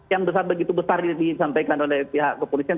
yang besar begitu besar disampaikan oleh pihak kepolisian